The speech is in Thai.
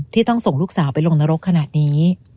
ต้องส่งลูกสาวไปลงนรกขนาดนี้